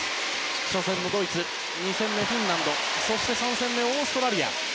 初戦のドイツ２戦目はフィンランド３戦目はオーストラリア。